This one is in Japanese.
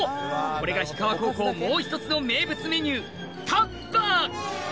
これが日川高校もう一つの名物メニュータッパー！